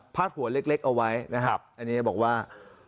พลาดหัวเล็กเล็กเอาไว้นะครับอันนี้จะบอกว่า